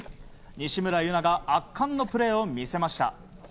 西村優菜が圧巻のプレーを見せました。